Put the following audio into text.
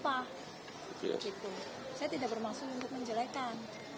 saya tidak bermaksud untuk menjelekan